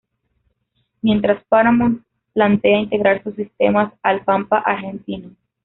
Mientras Paramount, plantea integrar sus sistemas al Pampa argentino.